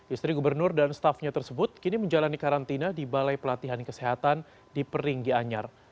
istri gubernur dan staffnya tersebut kini menjalani karantina di balai pelatihan kesehatan di peringgi anyar